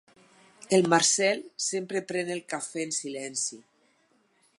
El Marcel sempre pren el cafè en silenci.